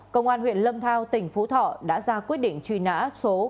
công an huyện lâm thao tỉnh phú thọ đã ra quyết định truy nã số